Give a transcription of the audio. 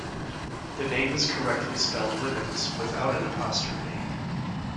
The name is correctly spelled "Womens", without an apostrophe.